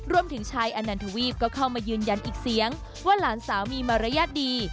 รวมถึงชายอนันทวีปก็เข้ามายืนยันอีกเสียงว่าหลานสาวมีมารยาทดี